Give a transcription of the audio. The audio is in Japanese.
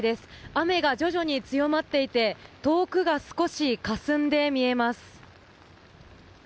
雨が徐々に強まっていて遠くが少しかすんで見えます。